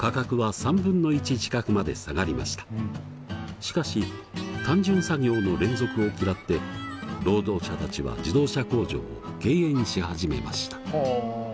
しかし単純作業の連続を嫌って労働者たちは自動車工場を敬遠し始めました。